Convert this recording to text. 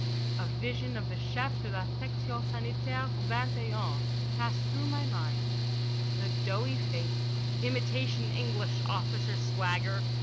A vision of the Chef de la section Sanitaire Ving et Un passed through my mind. The doughy face. Imitation English officer swagger.